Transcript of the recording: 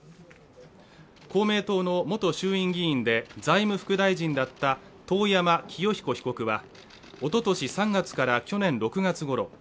公明党の元衆院議員で財務副大臣だった遠山清彦被告はおととし３月から去年６月ごろ